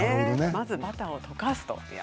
まずバターを溶かす。